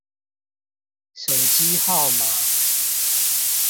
手機號碼